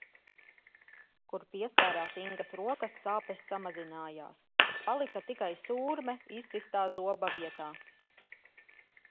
Kur pieskārās Ingas rokas sāpes mazinājās, palika tikai sūrme izsistā zoba vietā.